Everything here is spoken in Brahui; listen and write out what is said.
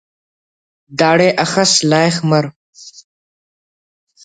داڑے اخس لائخ مر